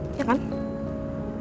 bukan urusan lo